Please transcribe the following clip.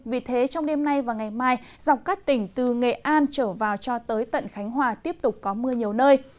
vì thế trong đêm nay và ngày mai dọc các tỉnh từ nghệ an trở vào cho tới tận khánh hòa tiếp tục có mưa nhiều nơi